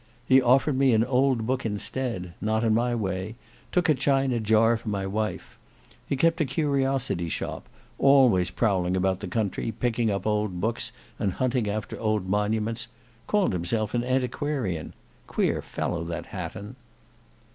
He offered me an old book instead; not in my way; took a china jar for my wife. He kept a curiosity shop; always prowling about the country, picking up old books and hunting after old monuments; called himself an antiquarian; queer fellow, that Hatton."